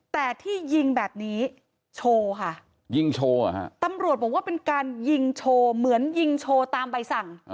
แต่ที่ยิงแบบนี้โชว์ค่ะยิงโชว์ตำรวจบอกว่าเป็นการยิงโชว์เหมือนยิงโชว์ตามใบสั่ง